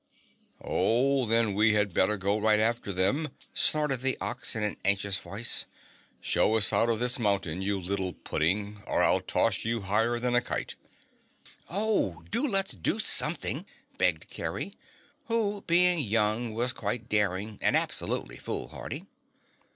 "Oh, then we had better go right after them," snorted the Ox in an anxious voice. "Show us out of this mountain, you little pudding, or I'll toss you higher than a kite." "Oh, do let's do something!" begged Kerry, who, being young, was quite daring and absolutely foolhardy.